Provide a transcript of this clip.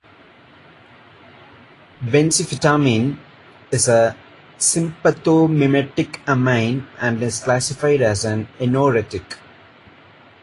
Benzphetamine is a sympathomimetic amine and is classified as an anorectic.